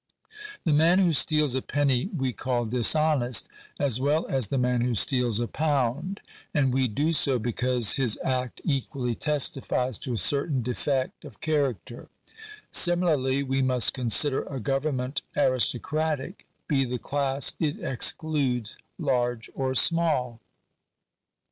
The man who steals a penny we call dishonest, as well as the man who steals a pound ; and we do so because his act equally testifies to a certain defect of character. Similarly we must consider a government aristo cratic, be the class it excludes large or small.